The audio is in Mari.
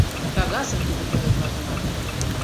Кагазым тудо пӧлекла тылат.